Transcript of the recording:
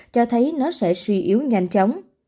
cho thấy nó sẽ suy yếu nhanh chóng